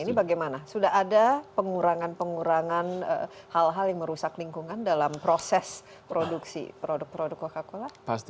ini bagaimana sudah ada pengurangan pengurangan hal hal yang merusak lingkungan dalam proses produksi produk produk coca cola